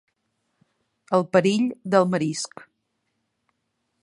El perill del marisc.